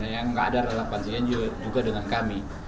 yang gak ada relevan juga dengan kami